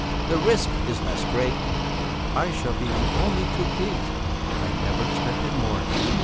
The risk is less great." "I shall be only too pleased; I never expected more."